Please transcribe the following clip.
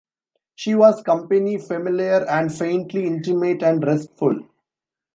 She was company, familiar and faintly intimate and restful.